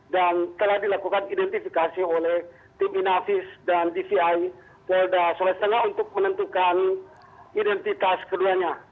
dan telah dilakukan identifikasi oleh tim inavis dan dvi polda sulawesi tengah untuk menentukan identitas keduanya